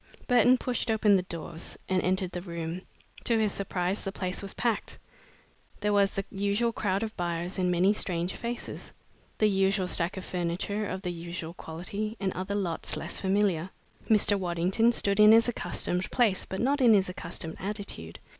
Burton pushed open the doors and entered the room. To his surprise, the place was packed. There was the usual crowd of buyers and many strange faces; the usual stacks of furniture of the usual quality, and other lots less familiar. Mr. Waddington stood in his accustomed place but not in his accustomed attitude.